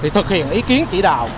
thực hiện ý kiến chỉ đạo